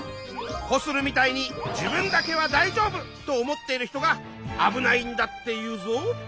コスルみたいに自分だけは大丈夫と思ってる人があぶないんだっていうぞ。